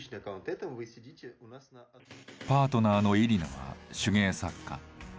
パートナーのイリナは手芸作家。